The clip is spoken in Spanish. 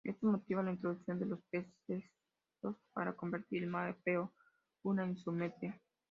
Esto motiva la introducción de los pesos para convertir el mapeo una isometría.